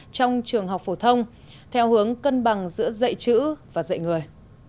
trong trường học phổ thông theo hướng cân bằng giữa dạy chữ và dạy người